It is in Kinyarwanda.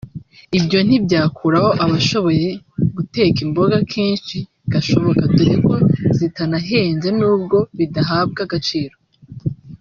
ibyo ntibyakuraho abashoboye guteka imboga kenshi gashoboka dore ko zitanahenze nubwo bidahabwa agaciro